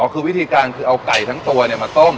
คือวิธีการคือเอาไก่ทั้งตัวมาต้ม